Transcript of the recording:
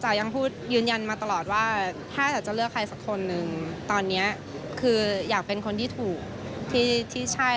คืออยากเป็นคนที่ถูกที่ใช่